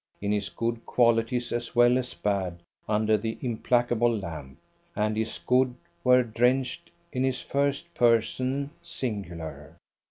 in his good qualities as well as bad under the implacable lamp, and his good were drenched in his first person singular.